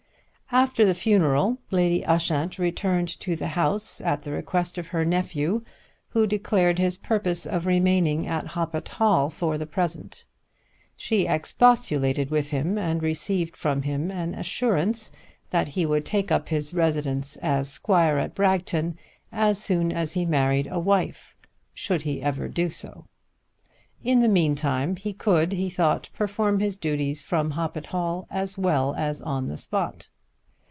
After the funeral, Lady Ushant returned to the house at the request of her nephew, who declared his purpose of remaining at Hoppet Hall for the present. She expostulated with him and received from him an assurance that he would take up his residence as squire at Bragton as soon as he married a wife, should he ever do so. In the meantime he could, he thought, perform his duties from Hoppet Hall as well as on the spot.